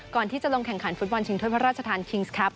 ก่อนที่จะลงแข่งขันฟุตบอลชิงถ้วยพระราชทานคิงส์ครับ